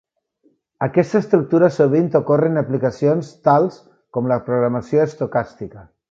Aquesta estructura sovint ocorre en aplicacions tals com la programació estocàstica.